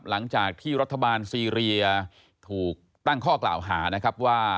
หลังจากที่รัฐบาลซีเรียถูกตั้งข้อกล่าวหานะครับว่า